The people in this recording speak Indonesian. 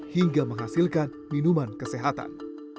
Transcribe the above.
hingga menghasilkan minuman kesehatan